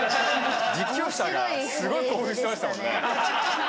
実況者がすごい興奮してましたもんね。